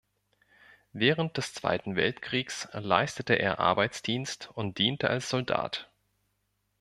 Während des Zweiten Weltkriegs leistete er Arbeitsdienst und diente als Soldat.